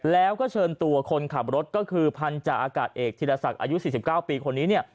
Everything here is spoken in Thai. แล้วก็เชิญตัวคนขับรถก็คือพันธุ์จากอากาศเอกธิรสักอายุ๔๙ปีคนนี้